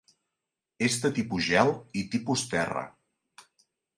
És de tipus gel i tipus terra.